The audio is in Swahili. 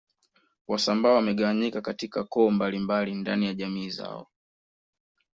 Wasambaa wamegawanyika katika koo mbalimbali ndani ya jamii zao